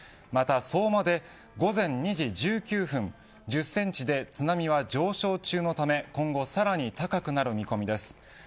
また相馬で午前２時１９分１０センチで津波は上昇中のため今後さらに高くなる見込みです。